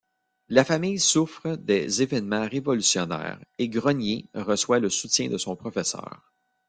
La famille souffre des événements révolutionnaires, et Grognier reçoit le soutien de son professeur.